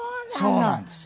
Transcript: そうなんですよ。